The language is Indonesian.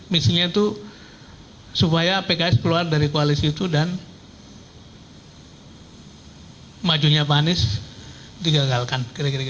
misinya itu supaya pks keluar dari koalisi itu dan majunya pak anies digagalkan